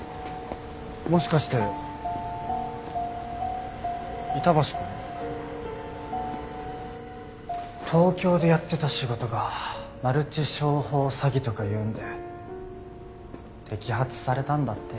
もしかして板橋くん？東京でやってた仕事がマルチ商法詐欺とかいうんで摘発されたんだって。